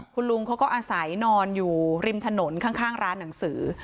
คุณลุงเขาก็อาศัยนอนอยู่ริมถนนข้างร้านหนังสือ